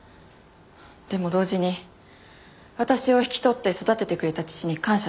でも同時に私を引き取って育ててくれた父に感謝しました。